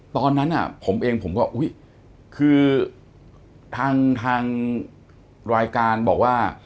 ตอนนั้นผมเองผมก็อุ๊ยคือทางรายการบอกว่า